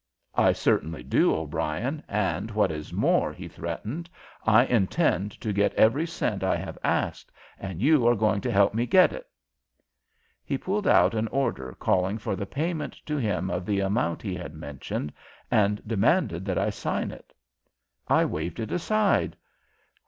"I certainly do, O'Brien, and what is more," he threatened, "I intend to get every cent I have asked, and you are going to help me get it!" He pulled out an order calling for the payment to him of the amount he had mentioned, and demanded that I sign it. I waved it aside.